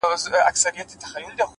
هره ورځ د بدلون تخم لري؛